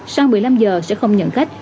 sau một mươi năm h sẽ không nhận khách